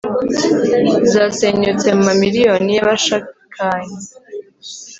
zasenyutse mu mamiliyoni y'abashakanye